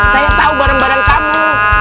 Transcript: saya tahu barang barang kamu